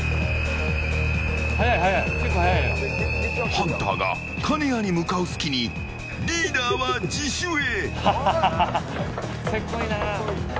ハンターが金谷に向かう隙にリーダーは自首へ。